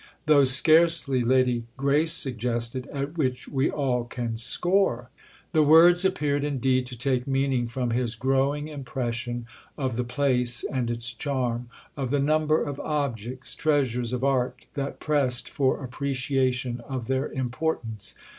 "Though scarcely," Lady Grace suggested, "at which we all can score." The words appeared indeed to take meaning from his growing impression of the place and its charm—of the number of objects, treasures of art, that pressed for appreciation of their importance.